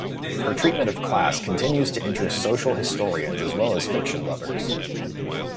Her treatment of class continues to interest social historians as well as fiction lovers.